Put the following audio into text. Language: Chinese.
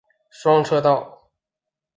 双车道。